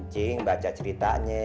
cing baca ceritanya